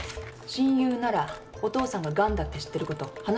親友ならお父さんがガンだって知ってること話してあげたら？